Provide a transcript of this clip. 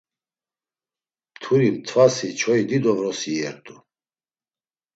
Mturi mtvasi çoyi dido vrosi iyert̆u.